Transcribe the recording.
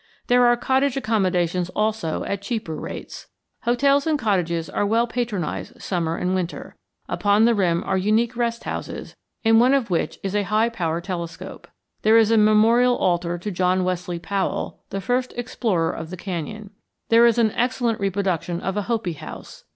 There are cottage accommodations also at cheaper rates. Hotels and cottages are well patronized summer and winter. Upon the rim are unique rest houses, in one of which is a high power telescope. There is a memorial altar to John Wesley Powell, the first explorer of the canyon. There is an excellent reproduction of a Hopi house.